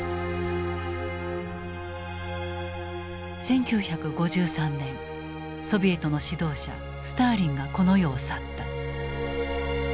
１９５３年ソビエトの指導者スターリンがこの世を去った。